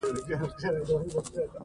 په افغانستان کې طلا ډېر اهمیت لري.